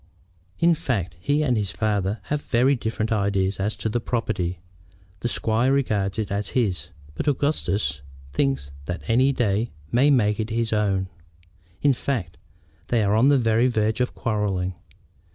In fact, he and his father have very different ideas as to the property. The squire regards it as his, but Augustus thinks that any day may make it his own. In fact, they are on the very verge of quarrelling."